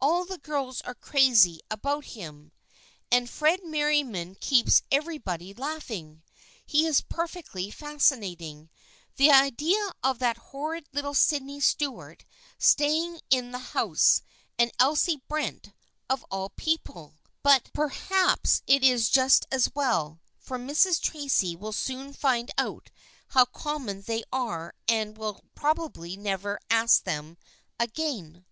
All the girls are crazy about him. And Fred Merriam keeps everybody laughing. He is perfectly fascinating. The idea of that horrid little Sydney Stuart staying in the house, and Elsie Brent, of all people ! But per 158 THE FKIENDSHIP OF ANNE haps it is just as well, for Mrs. Tracy will soon find out how common they are and will probably never ask them again.